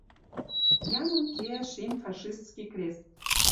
Ямын кеӓ шим фашистский крест...